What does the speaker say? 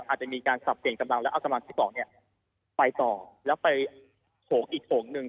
อาจจะมีการสับเปลี่ยนกำลังแล้วเอากำลังที่บอกเนี่ยไปต่อแล้วไปโถงอีกโถงหนึ่ง